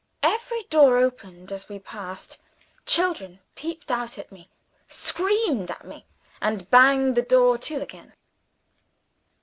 Every door opened as we passed; children peeped out at me, screamed at me, and banged the door to again.